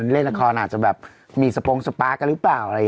เล่นละครอาจจะแบบมีสโปรงสปาร์คกันหรือเปล่า